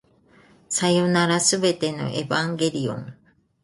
さようなら、全てのエヴァンゲリオン